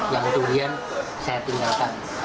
yang dulian saya tinggalkan